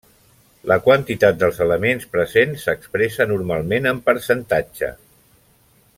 La quantitat dels elements presents s'expressa normalment en percentatge.